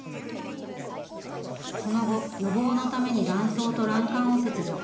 その後、予防のために卵巣と卵管を切除。